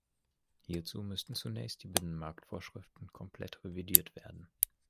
Hierzu müssten zunächst die Binnenmarktvorschriften komplett revidiert werden.